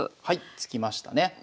はい突きましたね。